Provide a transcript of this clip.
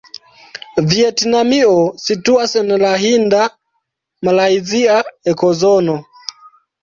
Vjetnamio situas en la hinda-malajzia ekozono.